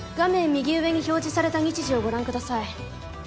右上に表示された日時をご覧ください。